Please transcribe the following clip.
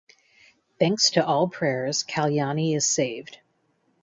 Thanks to all prayers Kalyani is saved.